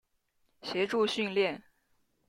协助训练。